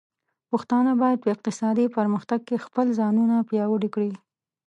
پښتانه بايد په اقتصادي پرمختګ کې خپل ځانونه پياوړي کړي.